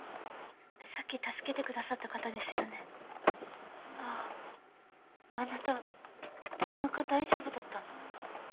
さっき助けてくださった方ですよねあああなたおなか大丈夫だったの？